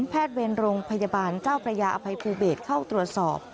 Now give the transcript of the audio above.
แพทย์เวรโรงพยาบาลเจ้าพระยาอภัยภูเบศเข้าตรวจสอบ